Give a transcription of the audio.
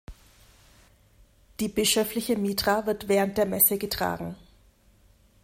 Die bischöfliche Mitra wird während der Messe getragen.